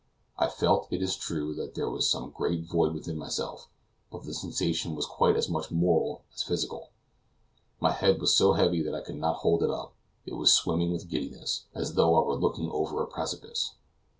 I felt, it is true, that there was some great void within myself, but the sensation was quite as much moral as physical. My head was so heavy that I could not hold it up; it was swimming with giddiness, as though I were looking over a precipice.